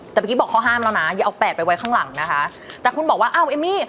แต่เมื่อกี้บอกเขาห้ามแล้วนะอย่าเอาแปดไปไว้ข้างหลังนะคะแต่คุณบอกว่าอ้าวเอมมี่